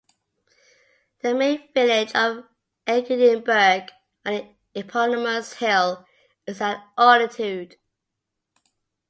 The main village of Aegidienberg, on the eponymous hill, is at altitude.